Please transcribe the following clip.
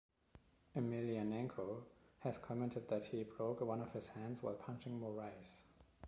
Emelianenko has commented that he broke one of his hands while punching Morais.